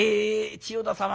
千代田様